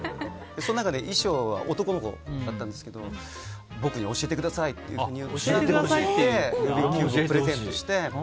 その中で、衣装は男の子だったんですけど僕に教えてくださいと言われてルービックキューブをプレゼントして。